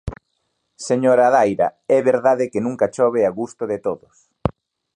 Señora Daira, é verdade que nunca chove a gusto de todos.